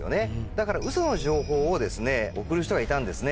だからウソの情報を送る人がいたんですね。